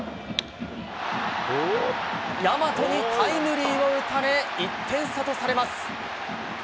大和にタイムリーを打たれ、１点差とされます。